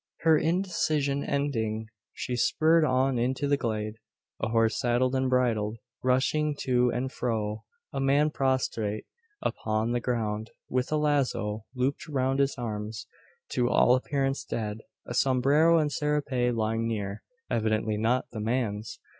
Her indecision ending, she spurred on into the glade. A horse saddled and bridled rushing to and fro a man prostrate upon the ground, with a lazo looped around his arms, to all appearance dead a sombrero and serape lying near, evidently not the man's!